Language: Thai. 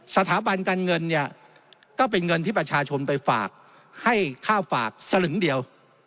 สถาบันการเงินเนี่ยก็เป็นเงินที่ประชาชนไปฝากให้ค่าฝากสลึงเดียว